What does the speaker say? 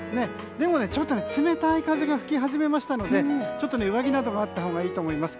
でもね、ちょっと冷たい風が吹き始めましたので上着などがあったほうがいいと思います。